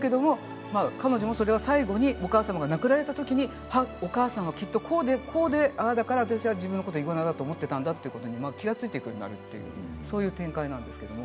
彼女もその最後、お母様が亡くなられたときにお母さんはきっとこうでこうでだから私は自分のことイグアナだと思っていたんだと気が付いていくようになるというそういう展開なんです。